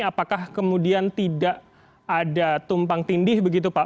apakah kemudian tidak ada tumpang tindih begitu pak